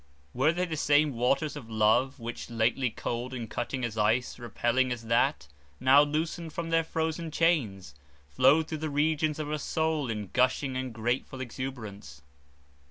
Were they the same waters of love, which, lately cold and cutting as ice, repelling as that, now loosened from their frozen chains, flowed through the regions of her soul in gushing and grateful exuberance?